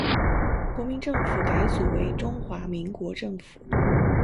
国民政府改组为中华民国政府。